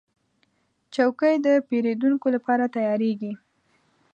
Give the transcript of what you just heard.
چوکۍ د پیرودونکو لپاره تیارېږي.